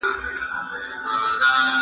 زه به سبا سبزیجات جمع کړم!.